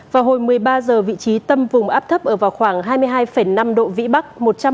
vào hồi một mươi ba h vị trí tâm vùng áp thấp ở vào khoảng hai mươi hai năm độ vĩ bắc